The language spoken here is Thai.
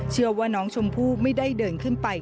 เชื่อว่าน้องชมพู่ไม่ได้เดินขึ้นไป